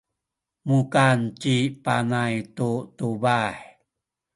mukan ci Puhay tu tubah.